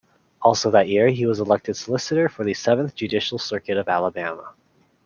Also that year he was elected solicitor for the seventh Judicial Circuit of Alabama.